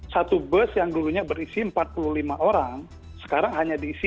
satu bus yang dulunya berisi empat puluh lima orang sekarang hanya diisi dua puluh tiga orang